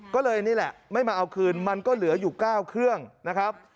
ก็เลยนี่แหละไม่มาเอาคืนมันก็เหลืออยู่๙เครื่องนะครับ